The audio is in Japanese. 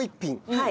はい。